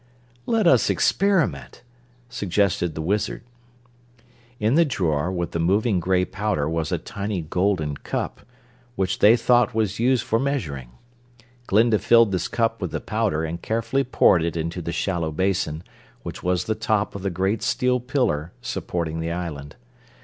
"Let us experiment," suggested the Wizard. In the drawer with the moving gray powder was a tiny golden cup, which they thought was used for measuring. Glinda filled this cup with the powder and carefully poured it into the shallow basin, which was the top of the great steel pillar supporting the island.